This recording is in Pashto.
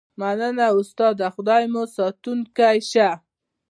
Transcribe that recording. مننه استاده خدای مو ساتونکی شه